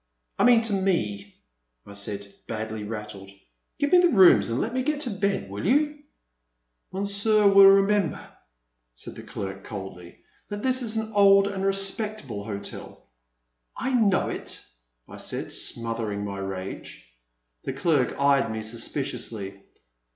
I mean to me," I said, badly rattled ;give me the rooms and let me get to bed, will you ?"Monsieur will remember," said the clerk coldly, that this is an old and respectable hotel." I know it," I said, smothering my rage. The clerk eyed me suspiciously.